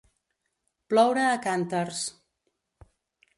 Ploure a cànters.